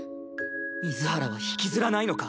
水原は引きずらないのか？